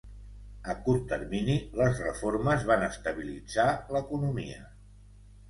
A curt termini, les reformes van estabilitzar l'economia.